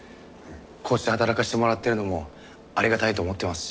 こうして働かしてもらってるのもありがたいと思ってますし。